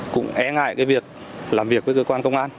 cũng e ngại cái việc làm việc với cơ quan công an